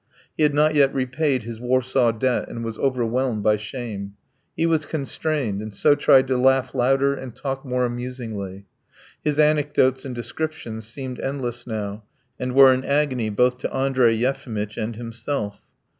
He had not yet repaid his Warsaw debt, and was overwhelmed by shame; he was constrained, and so tried to laugh louder and talk more amusingly. His anecdotes and descriptions seemed endless now, and were an agony both to Andrey Yefimitch and himself.